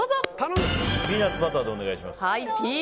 ピーナッツバターでお願いします。